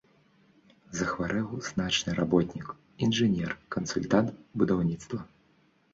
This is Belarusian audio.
Захварэў значны работнік, інжынер, кансультант будаўніцтва.